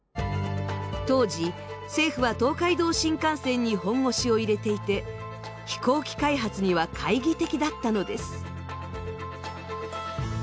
当時政府は東海道新幹線に本腰を入れていて飛行機開発には懐疑的だったのです。